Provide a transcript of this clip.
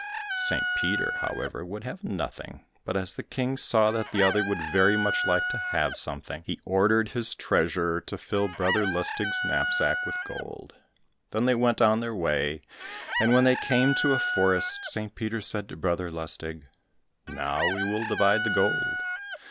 St. Peter, however, would have nothing, but as the King saw that the other would very much like to have something, he ordered his treasurer to fill Brother Lustig's knapsack with gold. Then they went on their way, and when they came to a forest, St. Peter said to Brother Lustig, "Now, we will divide the gold."